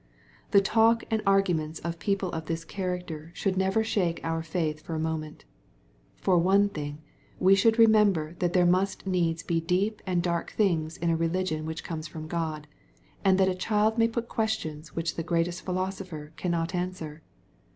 .The talk and arguments of people of this character should never shake our faith for a moment. For one thing, we should remember that there must needs be deep and dark things in a religion which comes from God, and that a child may put questions which the great est philosopher cannot answer.